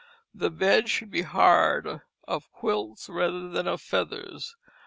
The bed should be hard, of quilts rather than of feathers.